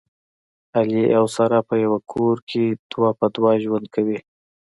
علي او ساره په یوه کور کې دوه په دوه ژوند کوي